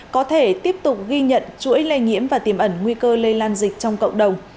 có thể tiếp tục ghi nhận chuỗi lây nhiễm và tiềm ẩn nguy cơ lây lan dịch trong cộng đồng